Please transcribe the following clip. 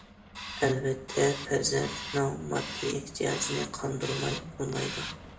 ئەلۋەتتە پەرزەنتنىڭ ماددىي ئېھتىياجنى قاندۇرماي بولمايدۇ.